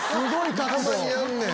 たまにやんねん。